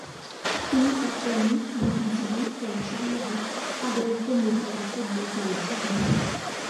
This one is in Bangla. তিনি অ্যাটর্নি, বুদ্ধিজীবী ও সাংবাদিক আদল্ফো মিরালদাকে বিয়ে করেছিলেন।